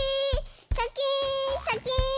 シャキーンシャキーン！